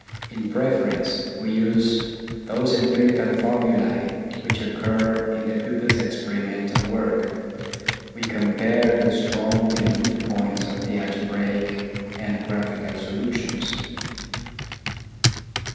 In preference, we use those empirical formulae which occur in the pupil's experimental work. We compare the strong and weak points of the algebraic and graphical solutions.